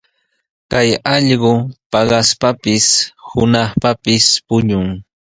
Kay allqu paqaspapis, puntrawpis puñun.